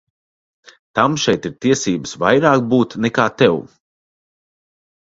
Tam šeit ir tiesības vairāk būt nekā tev.